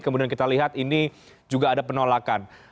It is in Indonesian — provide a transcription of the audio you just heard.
kemudian kita lihat ini juga ada penolakan